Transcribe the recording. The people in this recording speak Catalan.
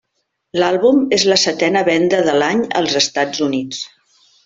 L'àlbum és la setena venda de l'any als Estats Units.